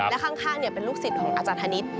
และข้างเป็นลูกศิษย์ของอาจารย์ธนิษฐ์